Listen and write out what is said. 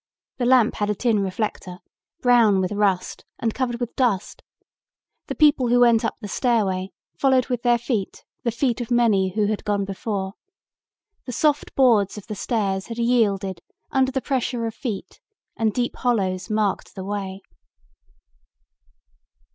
The lamp had a tin reflector, brown with rust and covered with dust. The people who went up the stairway followed with their feet the feet of many who had gone before. The soft boards of the stairs had yielded under the pressure of feet and deep hollows marked the way.